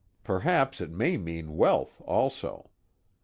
Perhaps it may mean wealth, also.